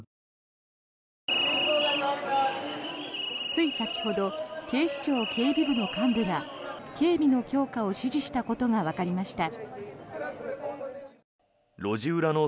つい先ほど警視庁警備部の幹部が警備の強化を指示したことがわかりました。